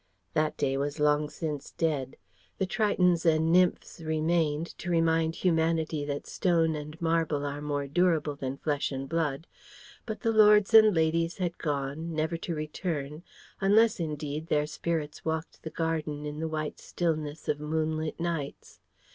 That day was long since dead. The tritons and nymphs remained, to remind humanity that stone and marble are more durable than flesh and blood, but the lords and ladies had gone, never to return, unless, indeed, their spirits walked the garden in the white stillness of moonlit nights.